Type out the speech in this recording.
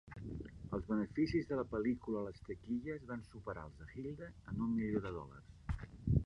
Els beneficis de la pel·lícula a les taquilles van superar els de "Gilda"' en un milió de dòlars.